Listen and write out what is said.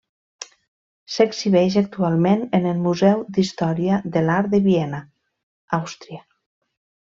S'exhibeix actualment en el Museu d'Història de l'Art de Viena, Àustria.